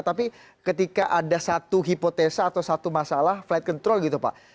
tapi ketika ada satu hipotesa atau satu masalah flight control gitu pak